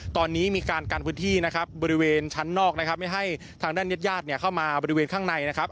ตอนนี้มีการกันพื้นที่นะครับบริเวณชั้นนอกนะครับไม่ให้ทางด้านญาติญาติเนี่ยเข้ามาบริเวณข้างในนะครับ